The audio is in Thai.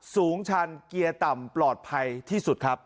ชันเกียร์ต่ำปลอดภัยที่สุดครับ